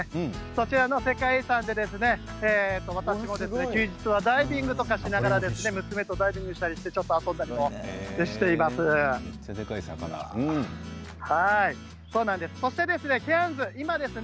その世界遺産で休日はダイビングをしながら娘とダイビングをしたりちょっと遊んだりしています。